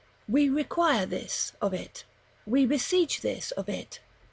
We require this of it, we beseech this of it.